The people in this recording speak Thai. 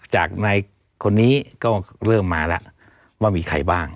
จากในคนนี้ก็เริ่มมาแล้วว่ามีใครบ้าง